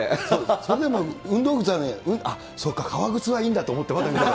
それで、運動靴は、あっ、そうか、革靴はいいんだと思って。